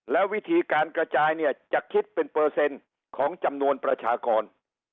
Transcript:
แล้ววิธีการกระจายเนี่ยจะคิดเป็นเปอร์เซ็นต์ของจำนวนประชากร